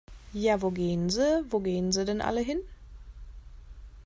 Ja wo gehn se, wo gehn se denn alle hin?